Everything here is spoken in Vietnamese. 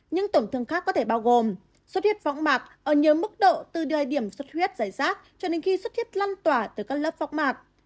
những tổn thương khác có thể bao gồm xuất huyết phóng mạc ở nhiều mức độ từ đoài điểm xuất huyết dài rác cho đến khi xuất huyết lan tỏa từ các lớp phóng mạc